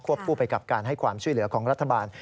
คู่ไปกับการให้ความช่วยเหลือของรัฐบาล